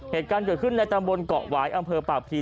เหตุการณ์เกิดขึ้นในตำบลเกาะหวายอำเภอปากพี